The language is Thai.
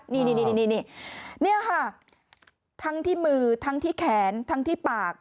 นี่ค่ะทั้งที่มือทั้งที่แขนทั้งที่ปาก